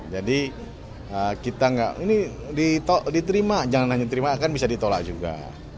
jadi kita tidak ini diterima jangan hanya diterima akan bisa ditolak juga